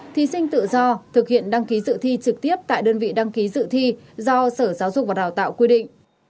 thí sinh tự do thực hiện đăng ký dự thi trực tiếp tại đơn vị đăng ký dự thi do sở giáo dục và đào tạo quy định